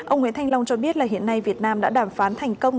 ông nguyễn thanh long cho biết là hiện nay việt nam đã đàm phán thành công